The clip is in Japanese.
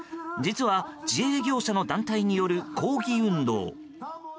実は、自営業者の団体による抗議行動。